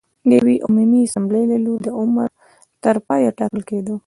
د یوې عمومي اسامبلې له لوري د عمر تر پایه ټاکل کېده